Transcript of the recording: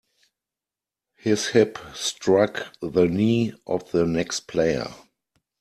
His hip struck the knee of the next player.